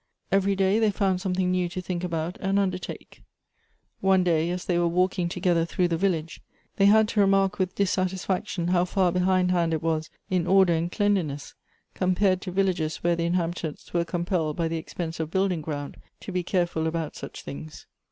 Every day they found something new to think about and undertake. One day as they were walking together through the village, they had to remark with dissatisfaction how far behindhand it was in order and cleanliness, compared to villages where the inhabitants were compelled by the ex pense of building ground to be careful about such things.